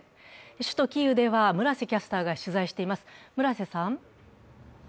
首都キーウでは村瀬キャスターが取材しています。